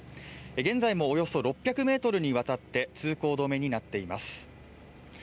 現在もおよそ６００ｍにわたって通行止めになっています。